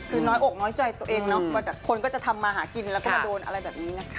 คือน้อยอกน้อยใจตัวเองเนาะคนก็จะทำมาหากินแล้วก็มาโดนอะไรแบบนี้นะคะ